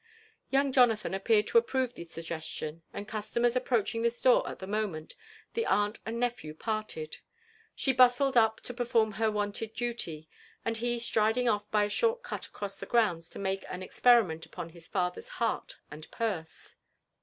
Young Jonathan appeared to approve the suggestion, and customers approaching the store at the moment, the aunt and nephew parted ; she bustling up to perform her wonted duty, and he striding off by a short cut across the grounds to make an experiment upon his father's heart and purse.